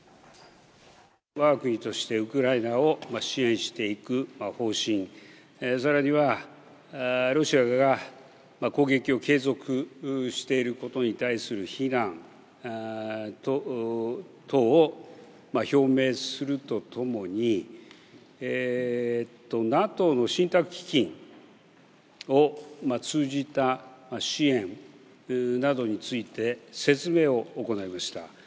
わが国としてウクライナを支援していく方針、さらには、ロシアが攻撃を継続していることに対する非難等を表明するとともに、ＮＡＴＯの信託基金を通じた支援などについて説明を行いました。